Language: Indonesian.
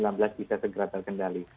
dan covid sembilan belas bisa segera terkendali